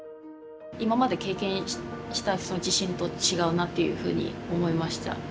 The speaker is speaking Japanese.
今まで経験した地震と違うなっていうふうに思いました。